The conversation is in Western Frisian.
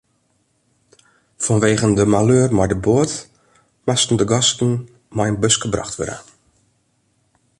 Fanwegen de maleur mei de boat moasten de gasten mei in buske brocht wurde.